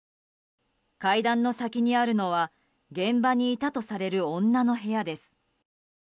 階段の先にあるのは現場にいたとされる女の部屋です。